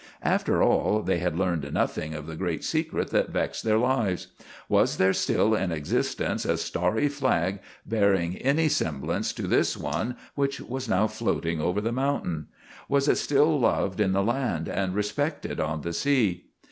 After all, they had learned nothing of the great secret that vexed their lives. Was there still in existence a starry flag bearing any semblance to this one which was now floating over the mountain? Was it still loved in the land and respected on the sea?